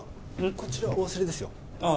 こちらお忘れですよああ